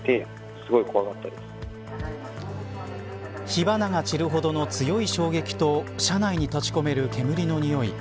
火花が散るほどの強い衝撃と車内に立ち込める煙のにおい。